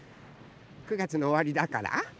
９がつのおわりだから？